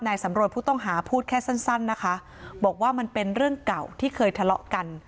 สำรวจผู้ต้องหาพูดแค่สั้นสั้นนะคะบอกว่ามันเป็นเรื่องเก่าที่เคยทะเลาะกัน